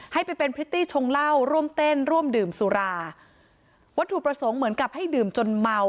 ให้ไปเป็นพริตตี้ชงเหล้าร่วมเต้นร่วมดื่มสุราวัตถุประสงค์เหมือนกับให้ดื่มจนเมา